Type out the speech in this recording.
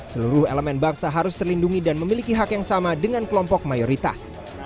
seluruh elemen bangsa harus terlindungi dan memiliki hak yang sama dengan kelompok mayoritas